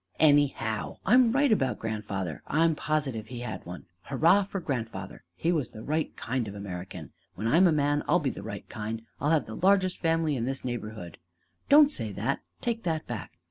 "Anyhow, I'm right about grandfather! I'm positive he had one. Hurrah for grandfather! He was the right kind of American! When I'm a man, I'll be the right kind: I'll have the largest family in this neighborhood." "Don't say that! Take that back!"